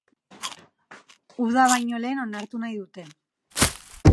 Uda baino lehen onartu nahi dute.